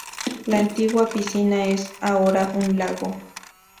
La antigua piscina es ahora un lago.